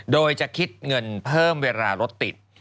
โดยจะคิดเงินเพิ่มเวลารถติด